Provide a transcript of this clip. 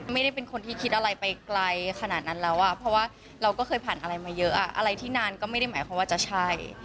ไม่ได้เป็นคนที่คิดอะไรไปไกลขนาดนั้นแล้วอ่ะเพราะว่าเราก็เคยผ่านอะไรมาเยอะอะไรที่นานก็ไม่ได้หมายความว่าจะใช่